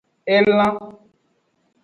Elan.